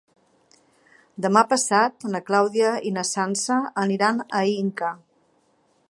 Demà passat na Clàudia i na Sança aniran a Inca.